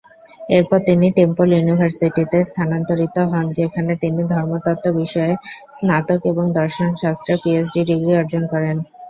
এরপর তিনি টেম্পল ইউনিভার্সিটিতে স্থানান্তরিত হন যেখানে তিনি ধর্মতত্ত্ব বিষয়ে স্নাতক এবং দর্শনশাস্ত্রে পিএইচডি ডিগ্রি অর্জন করেন।